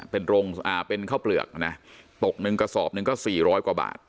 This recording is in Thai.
เป็นโรงอ่าเป็นข้าวเปลือกนะปกหนึ่งกระสอบหนึ่งก็สี่ร้อยกว่าบาท